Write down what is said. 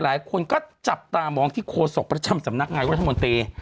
หลายคนก็จับตามองที่โฆษกประจำสำนักงานรัฐมนตรี